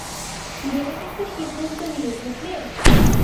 ভেবেচিন্তে সিদ্ধান্ত নিও, বুঝলে?